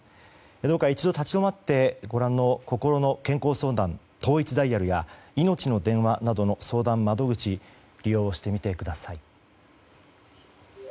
どうか一度立ち止まってご覧のこころの健康相談統一ダイヤルやいのちの電話などの相談窓口を利用してみてください。